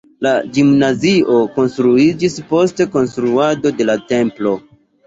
La gimnazio konstruiĝis post konstruado de la templo.